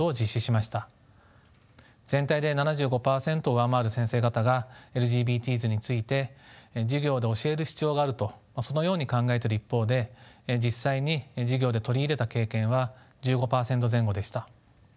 全体で７５％を上回る先生方がＬＧＢＴｓについて授業で教える必要があるとそのように考えている一方で実際に授業で取り入れた経験は１５％前後でした。